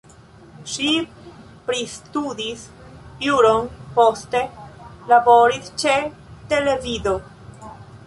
Ŝi pristudis juron, poste laboris ĉe televido.